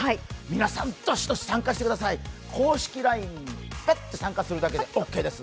皆さん、どしどし参加してください公式ＬＩＮＥにパッと参加するだけでオーケーです。